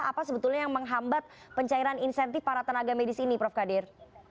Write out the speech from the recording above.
apa sebetulnya yang menghambat pencairan insentif para tenaga medis ini prof kadir